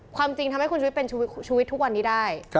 ความจริงทำให้คุณชุวิตเป็นชีวิตทุกวันนี้ได้